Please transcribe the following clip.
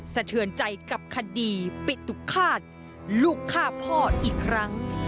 สะเทือนใจกับคดีปิตุฆาตลูกฆ่าพ่ออีกครั้ง